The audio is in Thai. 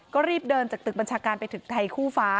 ก็รีบเดินจากตึกบัญชาการไปถึงไทยคู่ฟ้า